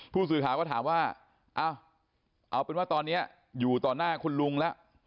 ผู้สื่อข่าวก็ถามว่าเอาเป็นว่าตอนนี้อยู่ต่อหน้าคุณลุงแล้ว